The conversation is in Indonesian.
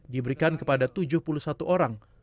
diberikan kepada tujuh puluh satu orang